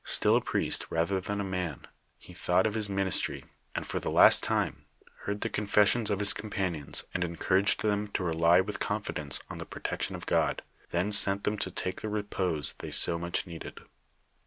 Still a priest, rather than a man,^ he thought of his ministry, and, for the last time, heard the hi cl I i. LIFE OF FATHER MARQUETTK. Ixxi confeseions of liia companions, and encouraged them to rely with confidence on the protection of God, then sent them to take the repose they so much needed.